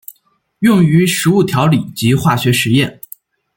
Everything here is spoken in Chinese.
用于食物调理及化学实验。